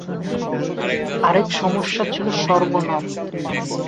আরেক সমস্যা ছিল সর্বনাম।